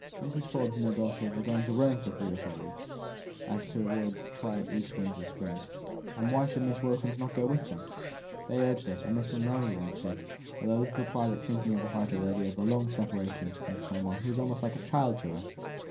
Mrs. Forbes and her daughters were going to Rome for three or four months, so as to avoid the trying east winds of spring; why should not Miss Wilkins go with them? They urged it, and Miss Monro urged it, though with a little private sinking of the heart at the idea of the long separation from one who was almost like a child to her.